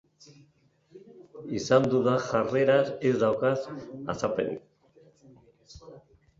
Izan dudan jarrerak ez dauka azalpenik.